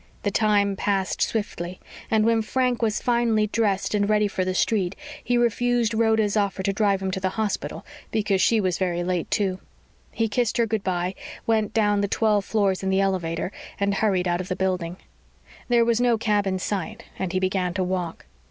The time passed swiftly, and when Frank was finally dressed and ready for the street, he refused Rhoda's offer to drive him to the hospital because she was very late, too. He kissed her good bye, went down the twelve floors in the elevator, and hurried out of the building. There was no cab in sight and he began to walk.